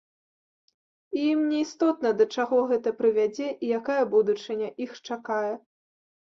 І ім не істотна, да чаго гэта прывядзе і якая будучыня іх чакае.